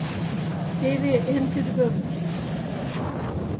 — Теве эн кӱжгӧ гыч.